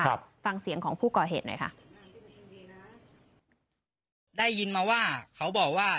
ครับฟังเสียงของผู้ก่อเหตุหน่อยค่ะได้ยินมาว่าเขาบอกว่า